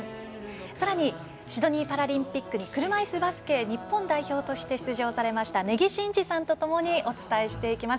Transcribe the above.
さらにシドニーパラリンピックに車いすバスケ日本代表として出場されました根木慎志さんとともにお伝えしてまいります。